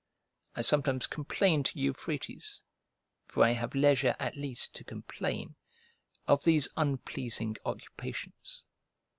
I sometimes complain to Euphrates (for I have leisure at least to complain) of these unpleasing occupations.